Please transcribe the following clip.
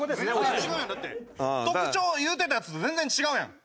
特徴言うてたやつと全然違うやん。